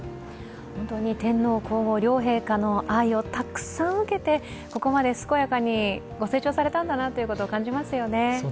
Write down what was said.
天皇皇后両陛下の愛をたくさん受けてここまで健やかにご成長されたんだなと感じますよね。